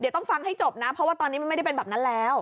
เดี๋ยวต้องฟังให้จบนะเพราะว่าตอนนี้มันไม่ได้เป็นแบบนั้นแล้ว